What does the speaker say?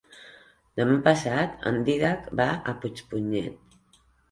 Demà passat en Dídac va a Puigpunyent.